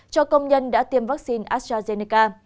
cho công nhân đã tiêm vaccine astrazeneca